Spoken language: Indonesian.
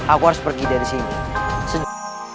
aku harus pergi dari sini